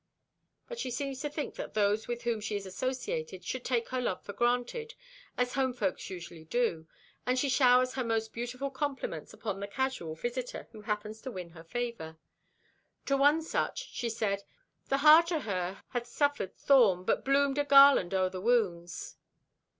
But she seems to think that those with whom she is associated should take her love for granted, as home folks usually do, and she showers her most beautiful compliments upon the casual visitor who happens to win her favor. To one such she said: "The heart o' her hath suffered thorn, but bloomed a garland o'er the wounds."